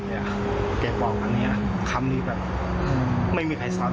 เจ็บบอกวันนี้คำนี้แบบไม่มีใครสอน